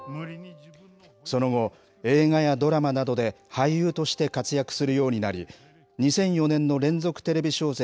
その後、映画やドラマなどで俳優として活躍するようになり２００４年の連続テレビ小説